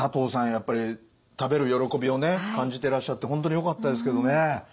やっぱり食べる喜びを感じてらっしゃって本当によかったですけどね。